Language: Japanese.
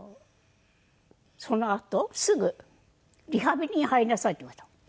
そのあとすぐ「リハビリに入りなさい」って言われたの。